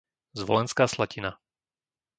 Zvolenská Slatina